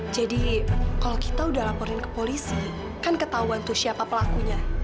jadi kalau kita sudah laporin ke polici kan ketahuan itu siapa pelakunya